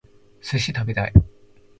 寿司食べたい